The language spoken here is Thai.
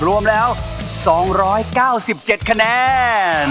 รวมแล้ว๒๙๗คะแนน